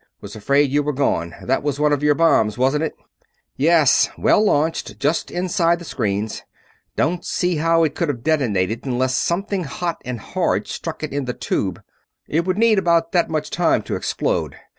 Was afraid you were gone that was one of your bombs, wasn't it?" "Yes. Well launched, just inside the screens. Don't see how it could have detonated unless something hot and hard struck it in the tube; it would need about that much time to explode.